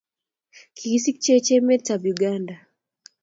kikisikchech emetab uganda